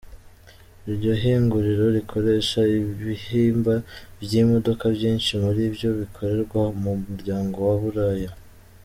Iryo hinguriro rikoresha ibihimba vy'imodoka vyinshi muri vyo bikoregwa mu muryango wa Buraya.